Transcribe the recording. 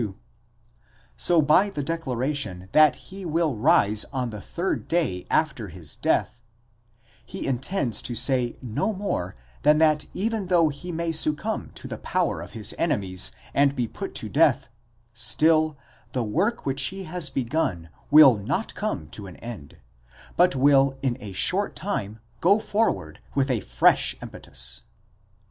32): so by the declaration that he will rise on the third day after his death, τῇ τρίτῃ ἡμέρᾳ ἀναστῆναι, he intends to say no more than that even though he may succumb to the power of his 'enemies and be put to death, still the work which he has begun will not come to an end, but will in a short time go forward witha fresh impetus.